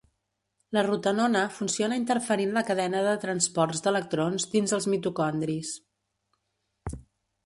La rotenona funciona interferint la cadena de transports d'electrons dins els mitocondris.